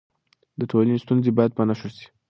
د ټولنې ستونزې باید په نښه سي.